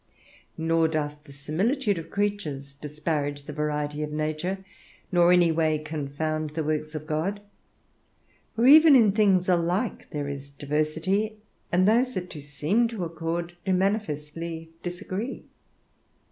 Nor doth the similitude of creatures disparage the variety of nature, nor any way confound the works of God. For even in things alike there is diversity; and those that do seem to accord do manifestly disagree.